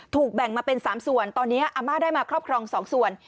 แบ่งมาเป็น๓ส่วนตอนนี้อาม่าได้มาครอบครอง๒ส่วน